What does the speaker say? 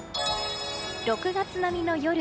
６月並みの夜。